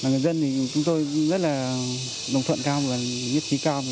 người dân thì chúng tôi rất là đồng thuận cao và nhất trí cao với cái chủ trương này